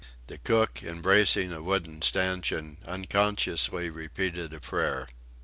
The cook, embracing a wooden stanchion, unconsciously repeated a prayer.